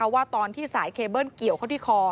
ว่าตอนที่สายเคเบิ้ลเกี่ยวเข้าที่คอ